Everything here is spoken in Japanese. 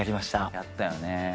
やったよね。